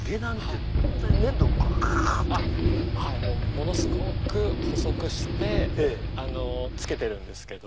ものすごく細くして付けてるんですけど。